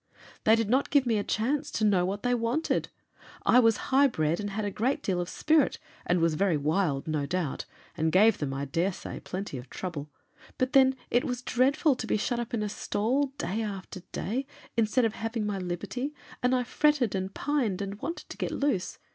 They did not give me a chance to know what they wanted. I was high bred and had a great deal of spirit, and was very wild, no doubt, and gave them, I dare say, plenty of trouble, but then it was dreadful to be shut up in a stall day after day instead of having my liberty, and I fretted and pined and wanted to get loose.